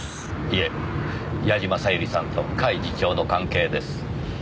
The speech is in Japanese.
いえ矢嶋小百合さんと甲斐次長の関係です。